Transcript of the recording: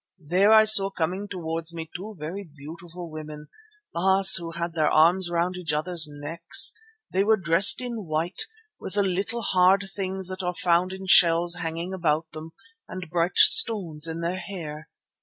There I saw coming towards me two very beautiful women, Baas, who had their arms round each other's necks. They were dressed in white, with the little hard things that are found in shells hanging about them, and bright stones in their hair.